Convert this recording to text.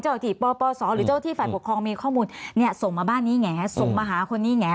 เจ้าหน้าที่ปปสหรือเจ้าหน้าที่ฝันปกครองมีข้อมูลส่งมาบ้านนี้ไงส่งมาหาคนนี้ไง